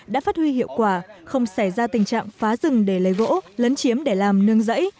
đã phát huy hiệu quả không xảy ra tình trạng phá rừng để lấy gỗ lấn chiếm để làm nương rẫy